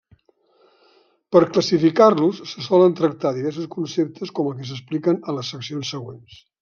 Per classificar-los, se solen tractar diversos conceptes com els que s'expliquen a les seccions següents.